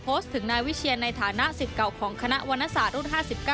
ถึงนายวิเชียนในฐานะสิทธิ์เก่าของคณะวรรณศาสตร์รุ่น๕๙